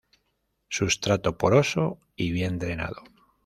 Sustrato poroso y bien drenado.